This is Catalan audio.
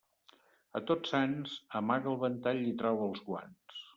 A Tots Sants, amaga el ventall i trau els guants.